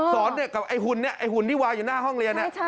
สอนกับไอ้หุ่นนี่ไอ้หุ่นที่วายอยู่หน้าห้องเรียน